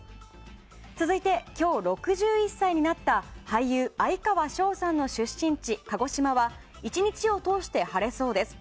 続いて、今日６１歳になった俳優・哀川翔さんの出身地鹿児島は１日を通して晴れそうです。